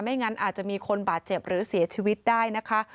งั้นอาจจะมีคนบาดเจ็บหรือเสียชีวิตได้นะคะ